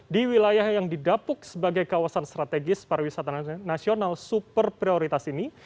di wilayah yang didapuk sebagai kawasan strategis pariwisata nasional super prioritas ini